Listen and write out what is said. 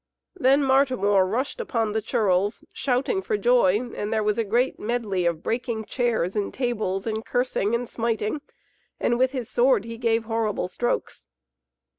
Then Martimor rushed upon the churls, shouting for joy, and there was a great medley of breaking chairs and tables and cursing and smiting, and with his sword he gave horrible strokes.